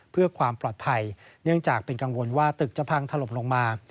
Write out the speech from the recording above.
เพื่อความปลอดภัยเนื่องจากเป็นกังวลว่าตึกจะพังถล่มลงมา